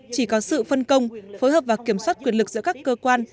chỉ có sự phân công phối hợp và kiểm soát quyền lực giữa các cơ quan